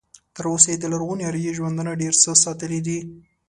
تر اوسه یې د لرغوني اریایي ژوندانه ډېر څه ساتلي دي.